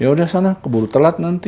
ya udah sana keburu telat nanti